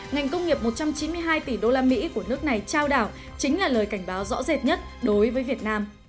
ngành công nghiệp một trăm chín mươi hai tỷ usd của nước này trao đảo chính là lời cảnh báo rõ rệt nhất đối với việt nam